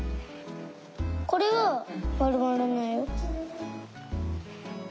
これはまるまらないよ。